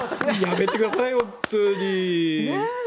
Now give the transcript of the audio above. やめてくださいよ本当に。